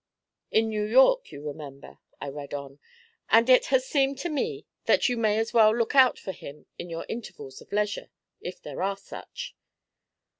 '"In New York, you remember,"' I read on, '"and it has seemed to me that you may as well look out for him in your intervals of leisure, if there are such."'